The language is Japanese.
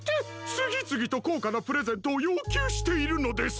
つぎつぎとこうかなプレゼントをようきゅうしているのです。